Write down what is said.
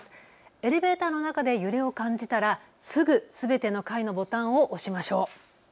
エレベーターの中で揺れを感じたらすぐ、すべての階のボタンを押しましょう。